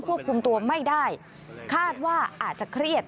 ควบคุมตัวไม่ได้คาดว่าอาจจะเครียด